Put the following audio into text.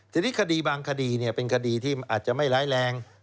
จนที่บางคดีเป็นคดีที่อาจจะไม่ล้ายแรง